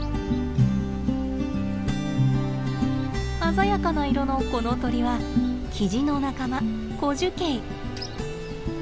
鮮やかな色のこの鳥はキジの仲間コジュケイ。